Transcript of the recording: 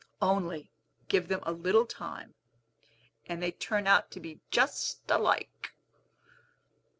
Only give them a little time, and they turn out to be just alike!